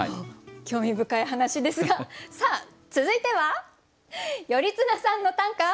興味深い話ですがさあ続いては「頼綱さんの！短歌」。